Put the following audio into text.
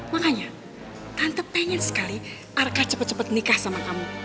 makanya tante pengen sekali arka cepat cepat nikah sama kamu